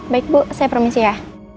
baik bu saya permisi ya